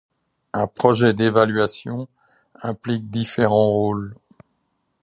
Un projet d'évaluation implique différents rôles.